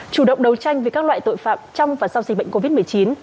chủ động đấu tranh với các loại tội phạm trong và sau dịch bệnh covid một mươi chín